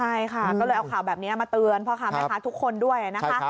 ใช่ค่ะก็เลยเอาข่าวแบบนี้มาเตือนพ่อค้าแม่ค้าทุกคนด้วยนะคะ